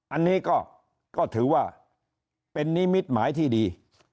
อันนี้ก็ถือว่าเป็นนิมิตหมายที่ดี